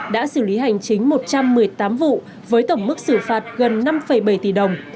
đã xử lý hành chính một trăm một mươi tám vụ với tổng mức xử phạt gần năm bảy tỷ đồng